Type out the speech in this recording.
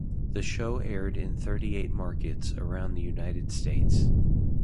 The show aired in thirty-eight markets around the United States.